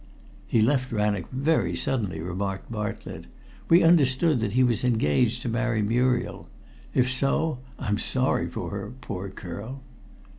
"He left Rannoch very suddenly," remarked Bartlett. "We understood that he was engaged to marry Muriel. If so, I'm sorry for her, poor girl."